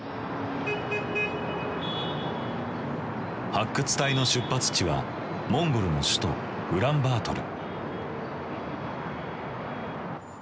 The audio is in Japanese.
発掘隊の出発地はモンゴルの首都ウランバートル。